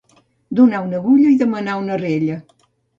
Donar una agulla i demanar una rella.